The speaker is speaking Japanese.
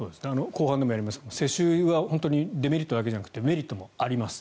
後半でもやりますが世襲はデメリットだけじゃなくてメリットもあります。